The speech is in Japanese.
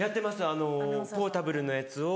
あのポータブルのやつを。